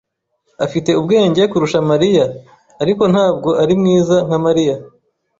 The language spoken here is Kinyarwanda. Afite ubwenge kurusha Mariya, ariko ntabwo ari mwiza nka Mariya.